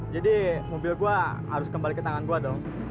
jadi mobil gua harus kembali ke tangan gua dong